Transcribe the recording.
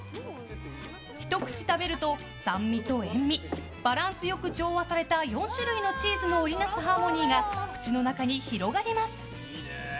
ひと口食べると酸味と塩みバランスよく調和された４種類のチーズの織り成すハーモニーが口の中に広がります。